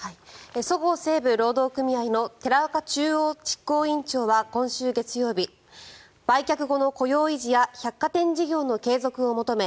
そごう・西武労働組合の寺岡中央執行委員長は今週月曜日売却後の雇用維持や百貨店事業の継続を求め